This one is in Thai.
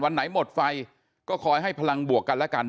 ไหนหมดไฟก็คอยให้พลังบวกกันแล้วกัน